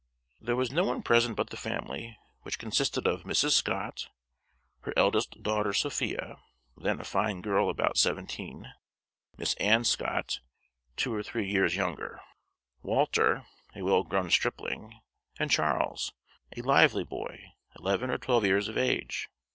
There was no one present but the family, which consisted of Mrs. Scott, her eldest daughter Sophia, then a fine girl about seventeen, Miss Ann Scott, two or three years younger, Walter, a well grown stripling, and Charles, a lively boy, eleven or twelve years of age.